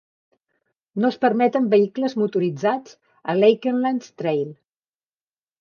No es permeten vehicles motoritzats al Lakelands Trail.